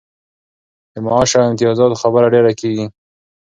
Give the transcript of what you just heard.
د معاش او امتیازاتو خبره ډېره کیږي.